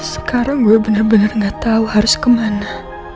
sekarang gue bener bener gak tau harus kemana